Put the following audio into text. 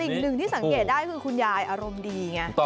สิ่งหนึ่งที่สังเกตได้คือคุณยายอารมณ์ดีไง